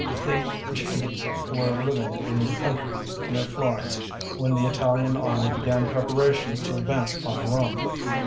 The G s were living in the country, near Florence, when the Italian army began preparations to advance upon Rome.